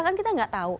kan kita nggak tahu